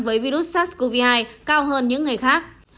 với virus sars cov hai cao hơn những người khác